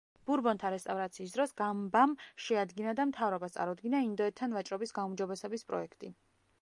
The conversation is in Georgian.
ბურბონთა რესტავრაციის დროს გამბამ შეადგინა და მთავრობას წარუდგინა ინდოეთთან ვაჭრობის გაუმჯობესების პროექტი.